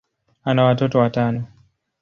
ana watoto watano.